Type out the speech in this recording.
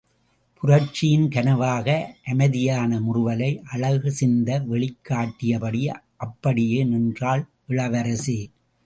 புரட்சியின் கனவாக அமைதியான முறுவலை அழகு சிந்த வெளிக் காட்டியபடி அப்படியே நின்றாள் இளவரசி.